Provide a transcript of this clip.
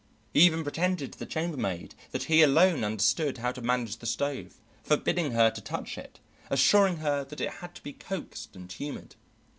He even pretended to the chambermaid that he alone understood how to manage the stove, forbidding her to touch it, assuring her that it had to be coaxed and humoured.